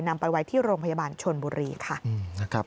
นำไปไว้ที่โรงพยาบาลชนบุรีค่ะ